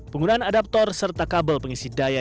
penggunaan adaptor serta kabel pengisi daya